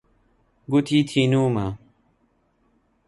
گوتی تینوومە.